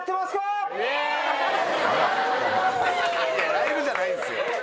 ライブじゃないんですよ。